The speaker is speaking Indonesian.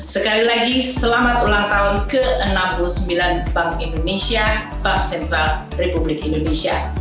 sekali lagi selamat ulang tahun ke enam puluh sembilan bank indonesia bank sentral republik indonesia